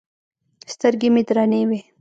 سترګې مې درنې وې.